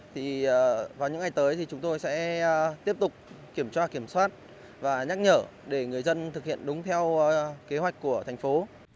thì vào những ngày tới thì chúng tôi sẽ tiếp tục kiểm tra kiểm soát và nhắc nhở để người dân thực hiện đúng theo kế hoạch của thành phố